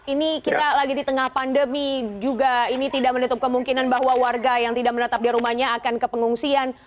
ini kita lagi di tengah pandemi juga ini tidak menutup kemungkinan bahwa warga yang tidak menetap di rumahnya akan ke pengungsian